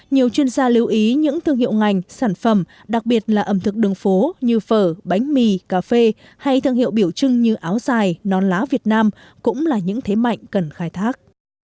nhiều chuyên gia lưu ý những thương hiệu ngành sản phẩm đặc biệt là ẩm thực đường phố như phở bánh mì cà phê hay thương hiệu biểu trưng như áo dài non lá việt nam cũng là những thế mạnh cần khai thác